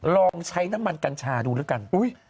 ลองใช้น้ำมันกัญชาดูแล้วกัน